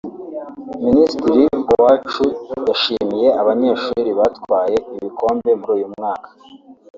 Minisitiri Uwacu yashimiye abanyeshuri batwaye ibikombe muri uyu mwaka